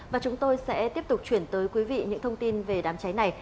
và chúng tôi sẽ tiếp tục chuyển tới quý vị những thông tin về đám cháy này